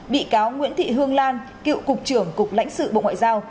bị cáo nguyễn thị hương lan cựu cục trưởng cục lãnh sự bộ ngoại giao